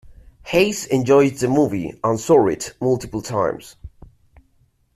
Haise enjoyed the movie and saw it multiple times.